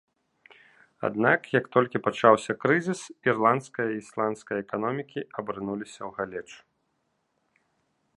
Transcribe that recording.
Аднак, як толькі пачаўся крызіс, ірландская і ісландская эканомікі абрынуліся ў галечу.